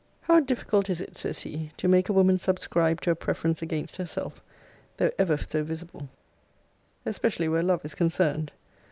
'] How difficult is it, says he, to make a woman subscribe to a preference against herself, though ever so visible; especially where love is concerned!